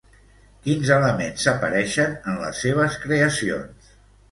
Quins elements apareixen en les seves creacions?